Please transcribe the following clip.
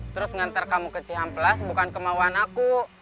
terus ngantar kamu ke cihamplas bukan kemauan aku